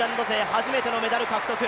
初めてのメダル獲得。